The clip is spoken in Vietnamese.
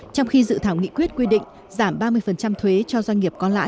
trong khi dự thảo nghị quyết quy định giảm ba mươi thuế cho doanh nghiệp